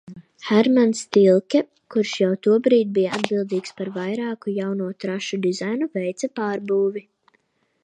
Hermans Tilke, kurš jau tobrīd bija atbildīgs par vairāku jauno trašu dizainu, veica pārbūvi.